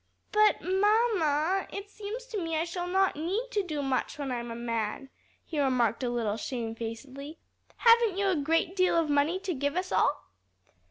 "But, mamma, it seems to me I shall not need to do much when I'm a man," he remarked a little shamefacedly; "haven't you a great deal of money to give us all?"